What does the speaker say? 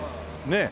ねえ。